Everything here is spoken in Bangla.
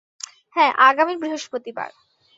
হ্যাঁ, আগামী বৃহস্পতিবার।